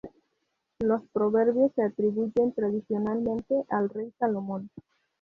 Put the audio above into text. Los Proverbios se atribuyen tradicionalmente al rey Salomón.